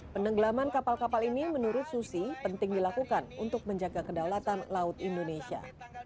penenggelaman kapal kapal ini menurut susi penting dilakukan untuk menjaga kedaulatan laut indonesia